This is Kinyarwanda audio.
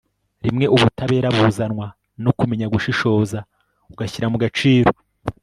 rimwe ubutabera buzanwa no kumenya gushishoza ugashyira mu gaciro